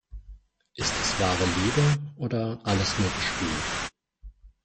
Ist es wahre Liebe oder alles nur gespielt?